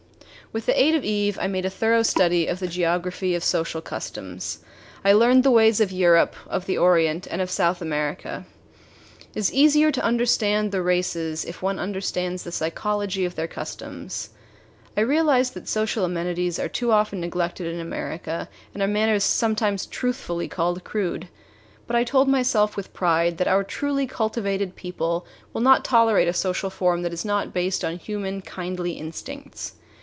With the aid of Eve, I made a thorough study of the geography of social customs. I learned the ways of Europe, of the Orient, and of South America. It is easier to understand races if one understands the psychology of their customs. I realized that social amenities are too often neglected in America, and our manners sometimes truthfully called crude. But I told myself with pride that our truly cultivated people will not tolerate a social form that is not based on human, kindly instincts.